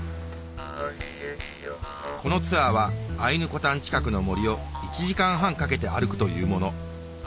このツアーはアイヌコタン近くの森を１時間半かけて歩くというもの